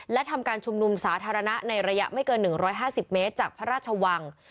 และทำการชุมนุมสาธารณะในระยะไม่เกิน๑๕๐เมตรจากพระราชวัง